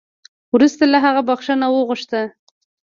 وروسته له هغه بخښنه وغوښته